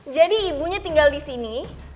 jadi ibunya tinggal disini